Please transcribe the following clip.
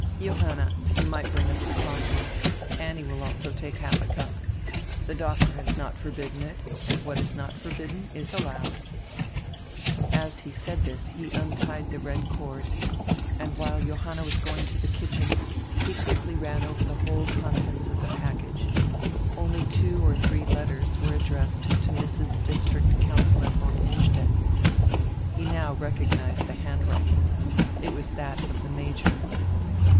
"Johanna, you might bring us tire coffee. Annie will also take half a cup. Tire doctor has not forbidden it, and what is not forbidden is allowed." As he said this he untied tire red cord, and while Johanna was going to the kitchen he quickly ran over the whole con tents or the package. Only two or three letters were addressed to "Mrs. District Councillor von Innstetten." He now recognized the handwriting; it was that of the Major.